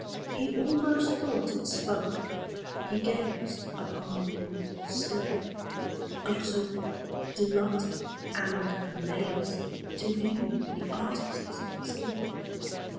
He almost thought it spoke: he gazed Upon the bauble still, Absorbed, delighted, and amazed, To view the artist's skill.